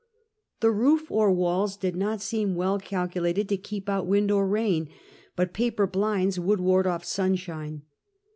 The roof or walls did not seem well calculated to keep out wind or rain, but paper blinds would ward off sunshine.